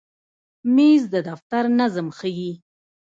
مېز د دفتر نظم ښیي.